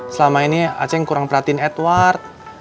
selama ini aceh kurang perhatiin edward